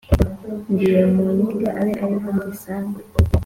ngiye mu nkiga abe ari ho zinsanga